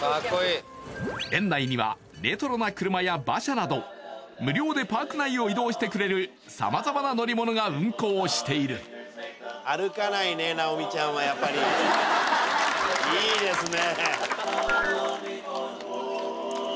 園内にはレトロな車や馬車など無料でパーク内を移動してくれる様々な乗り物が運行しているやっぱりいいですね